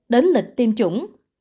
đến lịch tiêm chủng